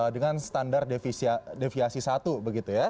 dengan standar deviasi satu